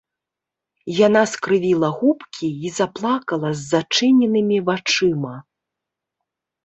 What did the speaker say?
Яна скрывіла губкі і заплакала з зачыненымі вачыма.